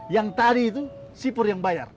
yang tadi itu si pur yang bayar